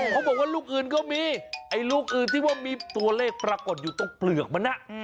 เขาบอกว่าลูกอื่นก็มีไอ้ลูกอื่นที่ว่ามีตัวเลขปรากฏอยู่ตรงเปลือกมัน